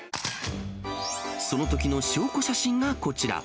そのときの証拠写真がこちら。